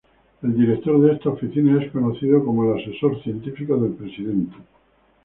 El director de esta oficina es conocido como el Asesor Científico del Presidente.